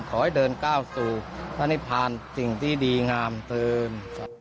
ขอให้เดินก้าวสู่พระนิพานสิ่งที่ดีงามเทิม